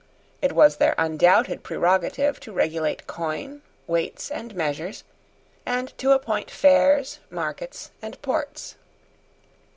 It was their undoubted prerogative to regulate coin, weights, and measures, and to appoint fairs, markets, and ports.